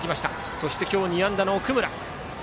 そして今日２安打の奥村。